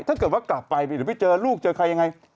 ถ้าเกิดว่ากลับไปหรือไปเจอลูกเจอใครยังไง